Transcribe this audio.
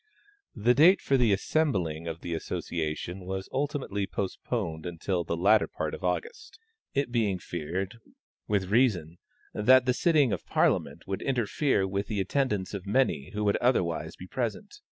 The date for the assembling of the Association was ultimately postponed until the latter part of August, it being feared, with reason, that the sitting of Parliament would interfere with the attendance of many who would otherwise be present.